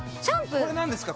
これ何ですか？